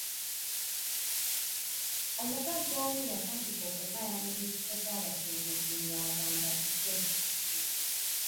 Omugagga omu yatandika okukaayanira ekifo ky'abasuubuzi nga agamba kikye.